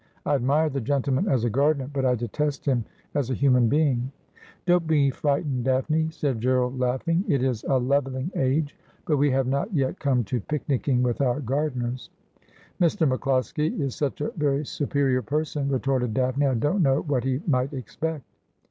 ' I admire the gentleman as a gardener, but I detest him as a human being.' ' Don't be frightened. Daphne,' said Gerald, laughing. ' It is ' Of Colour Pale and Dead was She.' 107 a levelling age, but we have not yet come to picnicking with our gardeners.' 'Mr. MacCIoskie is such a very superior person,' retorted Daphne, ' I don't know what he might expect.'